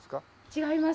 違います。